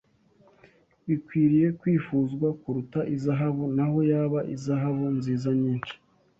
Bikwiriye kwifuzwa kuruta izahabu, n’aho yaba izahabu nziza nyinshi,